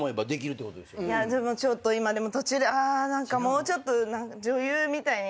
でもちょっと今途中であ何かもうちょっと女優みたいに。